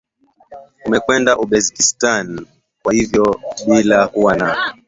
walikwenda Uzbek Kazakh na Kwa hivyo bila kuwa na